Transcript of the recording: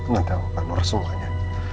nanti aku akan urus semuanya